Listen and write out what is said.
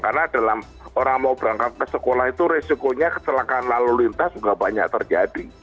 karena dalam orang mau berangkat ke sekolah itu resikonya kecelakaan lalu lintas juga banyak terjadi